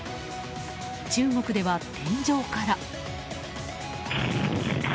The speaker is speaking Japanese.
中国では天井から。